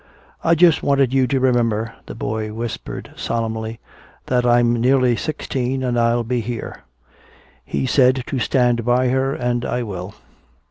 "I just wanted you to remember," the boy whispered solemnly, "that I'm nearly sixteen and I'll be here. He said to stand by her and I will."